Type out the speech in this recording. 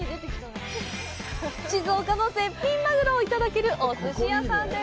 静岡の絶品マグロをいただけるおすし屋さんです。